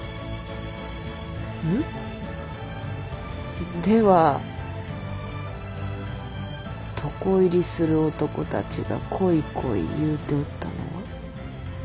ん？では床入りする男たちが「恋恋」言うておったのは。